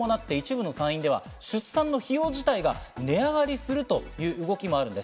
ただ増額に伴って、一部の産院では出産費用自体が値上がりするという動きもあるんです。